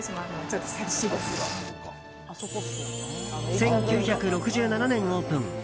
１９６７年、オープン。